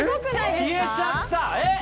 消えちゃったえっ！？